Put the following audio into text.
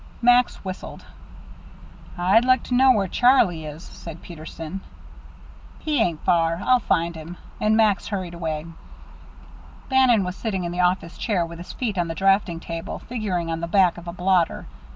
Max whistled. "I'd like to know where Charlie is," said Peterson. "He ain't far. I'll find him;" and Max hurried away. Bannon was sitting in the office chair with his feet on the draughting table, figuring on the back of a blotter.